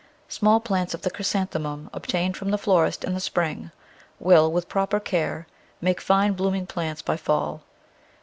Small plants of the Chrysanthemum obtained from the florist in the spring will, with proper care, make fine blooming plants by fall.